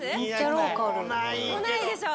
来ないでしょ。